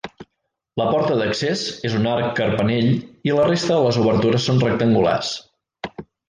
La porta d'accés és un arc carpanell i la resta de les obertures són rectangulars.